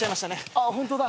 ああホントだ。